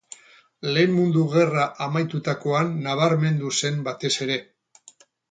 Lehen Mundu Gerra amaitutakoan nabarmendu zen batez ere.